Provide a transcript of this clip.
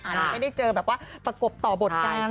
ไม่ได้เจอแบบว่าประกบต่อบทกัน